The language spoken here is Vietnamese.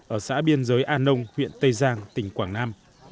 ở xã biên giới an nông huyện tây giang tỉnh quảng nam